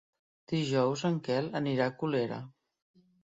Dijous en Quel anirà a Colera.